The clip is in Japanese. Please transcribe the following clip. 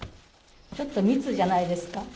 ちょっと密じゃないですか。